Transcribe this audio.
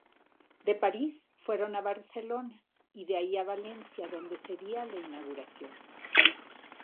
De París fueron a Barcelona y de ahí a Valencia, donde sería la inauguración.